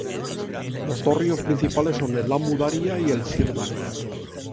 Los dos ríos principales son el Amu Daria y el Sir Daria.